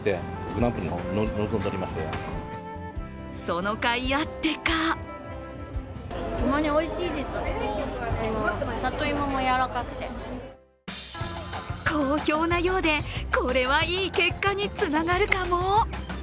そのかいあってか好評なようで、これはいい結果につながるかも。